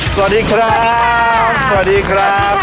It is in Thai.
สวัสดีครับ